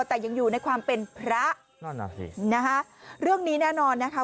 แต่ยังอยู่ในความเป็นพระนั่นอ่ะสินะคะเรื่องนี้แน่นอนนะคะ